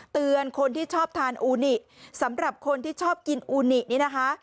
เตือนคนที่ชอบทานอูนิสำหรับคนที่ชอบกินอูนินี่นะคะ